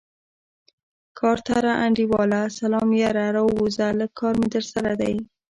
کارتره انډيواله سلام يره راووځه لږ کار مې درسره دی.